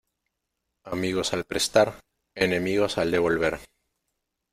Amigos al prestar, enemigos al devolver.